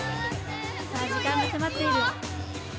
さあ、時間が迫っている。